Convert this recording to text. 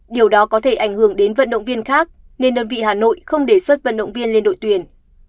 điều đó có thể ảnh hưởng đến vận động viên khác nên đơn vị hà nội không đề xuất vận động viên lên đội tuyển